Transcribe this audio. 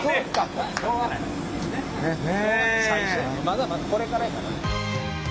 まだまだこれからやからね。